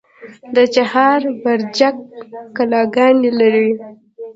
د چهار برجک کلاګانې لري